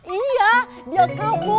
iya dia kebur